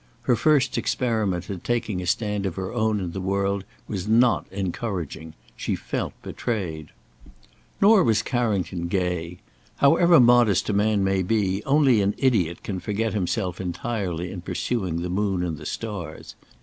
Her first experiment at taking a stand of her own in the world was not encouraging. She felt betrayed. Nor was Carrington gay. However modest a man may be, only an idiot can forget himself entirely in pursuing the moon and the stars.